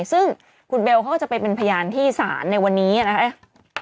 ซึ่งคุณเบลเขาก็จะไปเป็นพยานที่ศาลในวันนี้นะคะ